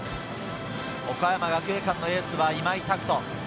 岡山学芸館のエースは今井拓人。